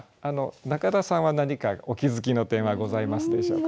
中田さんは何かお気付きの点はございますでしょうかね？